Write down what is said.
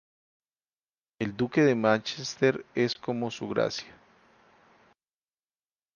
El Duque de Mánchester es como "Su Gracia".